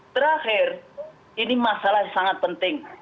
terakhir ini masalah yang sangat penting